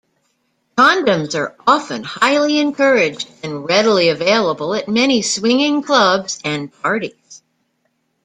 Condoms are often highly encouraged and readily available at many swinging clubs and parties.